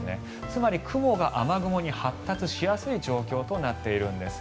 つまり雲が雨雲に発達しやすい状況となっているんです。